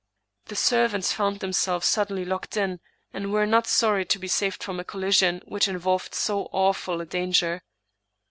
The servants found themselves suddenly locked in^ and were not sorry to be saved from a collision which in ^ volved so awful a danger.